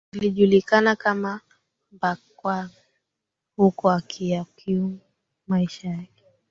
Zilizojulikana kama mbaqanga huku akiyakimu maisha yake